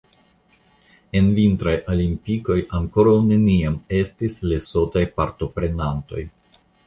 En vintraj olimpikoj ankoraŭ neniam estis Lesotaj partoprenantoj.